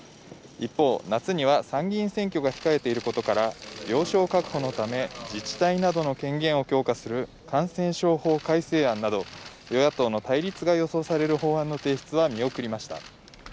一方、夏には参議院選挙が控えていることから、了承確保のため、自治体などの権限を強化する感染症法改正案など与野党の対立が予想される法案の提出は見送られました。